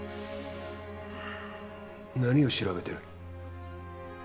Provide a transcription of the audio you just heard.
うん何を調べてる？